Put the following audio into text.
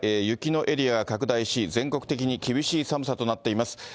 雪のエリアが拡大し、全国的に厳しい寒さとなっています。